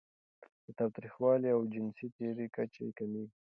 د تاوتریخوالي او جنسي تیري کچه کمېږي.